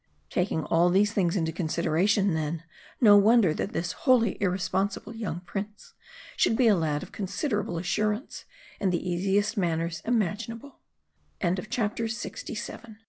Taking all these things into consideration, then, no wonder that this wholly irresponsible young prince should be a lad of considerable assurance, and the easiest manners imaginabl